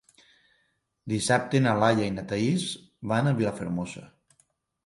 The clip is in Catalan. Dissabte na Laia i na Thaís van a Vilafermosa.